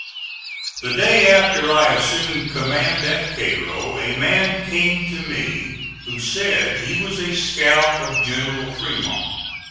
The day after I assumed command at Cairo a man came to me who said he was a scout of General Fremont.